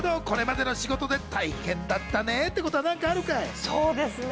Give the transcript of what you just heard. これまでの仕事で大変だったねぇってことは何かあるかい？